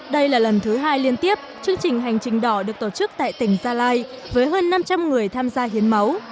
đây là lần thứ hai liên tiếp chương trình hành trình đỏ được tổ chức tại tỉnh gia lai với hơn năm trăm linh người tham gia hiến máu